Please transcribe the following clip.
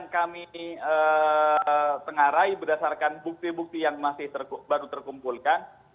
kami pengarahi berdasarkan bukti bukti yang baru terkumpulkan